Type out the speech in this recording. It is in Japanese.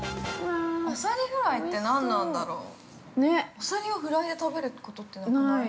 アサリをフライで食べることってなくない？